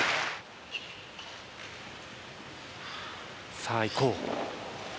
さあ、行こう。